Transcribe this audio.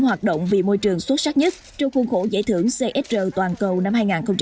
hoạt động vì môi trường xuất sắc nhất trong khuôn khổ giải thưởng csr toàn cầu năm hai nghìn hai mươi